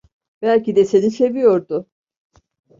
Belki de seni seviyordu…